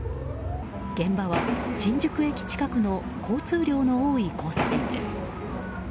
現場は新宿駅近くの交通量の多い交差点です。